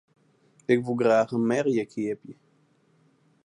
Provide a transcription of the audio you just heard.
Ik woe graach in merje keapje.